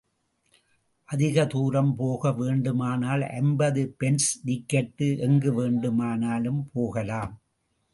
அதிக தூரம் போக வேண்டுமானால் ஐம்பது பென்ஸ் டிக்கட்டு எங்கு வேண்டுமானாலும் போகலாம்.